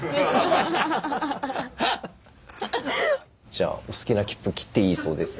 じゃあお好きなきっぷ切っていいそうです。